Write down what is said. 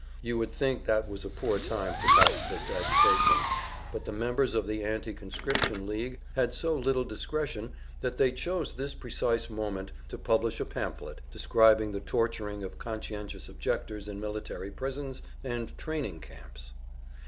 You would think that was a poor time for pacifist agitation; but the members of the Anti conscription League had so little discretion that they chose this precise moment to publish a pamphlet, describing the torturing of conscientious objectors in military prisons and training camps!